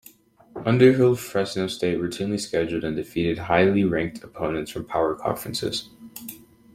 Under Hill Fresno State routinely scheduled-and defeated-highly ranked opponents from power conferences.